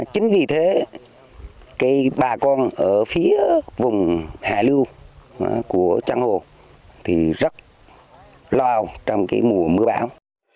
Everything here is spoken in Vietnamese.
chính vì thế bà con ở phía vùng hạ lưu của trang hồ rất loào trong mùa mưa bão